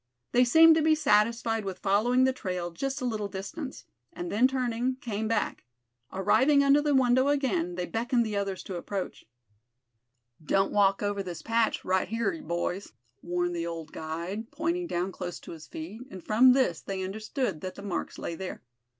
They seemed to be satisfied with following the trail just a little distance; and then turning, came back. Arriving under the window again they beckoned the others to approach. "Don't walk over this patch right hyar, boys," warned the old guide, pointing down close to his feet; and from this they understood that the marks lay there.